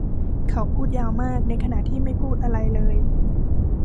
เขาพูดยาวมากในขณะที่ไม่พูดอะไรเลย